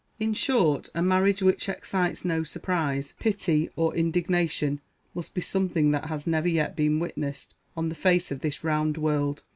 In short, a marriage which excites no surprise, pity, or indignation, must be something that has never yet been witnessed on the face of this round world.